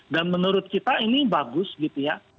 dan menurut kita ini bagus gitu ya